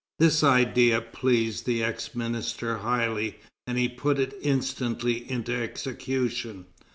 This idea pleased the ex minister highly, and he put it instantly into execution.